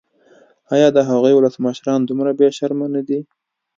ایا د هغوی ولسمشران دومره بې شرمه نه دي.